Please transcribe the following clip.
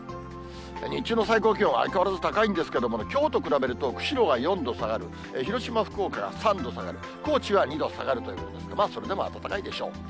日中の最高気温は相変わらず高いんですけどもね、きょうと比べると釧路が４度下がる、広島、福岡は３度下がる、高知は２度下がるということですから、まあそれでも暖かいでしょう。